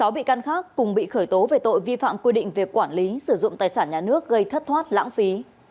sáu bị can khác cùng bị khởi tố về tội vi phạm quy định về quản lý sử dụng tài sản nhà nước gây thất thoát lãng phí